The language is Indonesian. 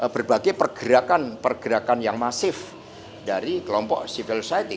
berbagai pergerakan pergerakan yang masif dari kelompok civil society